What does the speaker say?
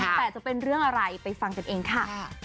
แต่จะเป็นเรื่องอะไรไปฟังกันเองค่ะ